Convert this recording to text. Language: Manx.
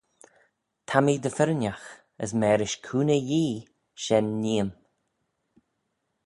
Ta mee dy firrinagh; as mârish cooney Yee shen nee'm.